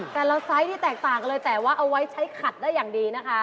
ไซส์ที่แตกต่างกันเลยแต่ว่าเอาไว้ใช้ขัดได้อย่างดีนะคะ